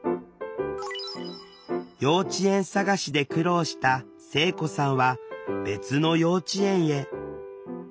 幼稚園探しで苦労した聖子さんは別の幼稚園へ。